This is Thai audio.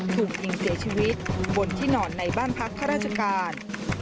ถูกยิงเสียชีวิตบนที่นอนในบ้านพักข้าราชการ